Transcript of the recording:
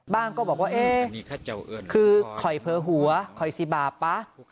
บางคนก็บอกว่าโคยเผลอหัวโคยสิบาปป่ะ